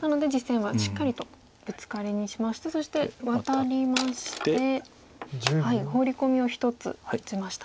なので実戦はしっかりとブツカリにしましてそしてワタりましてホウリコミを１つ打ちましたね。